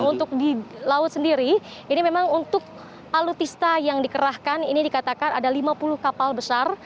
untuk di laut sendiri ini memang untuk alutista yang dikerahkan ini dikatakan ada lima puluh kapal besar